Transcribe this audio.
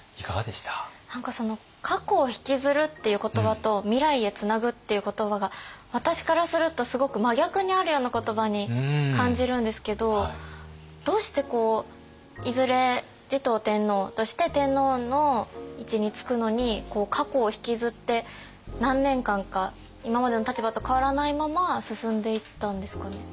何か過去をひきずるっていう言葉と未来へつなぐっていう言葉が私からするとすごく真逆にあるような言葉に感じるんですけどどうしてこういずれ持統天皇として天皇の位置につくのに過去をひきずって何年間か今までの立場と変わらないまま進んでいったんですかね。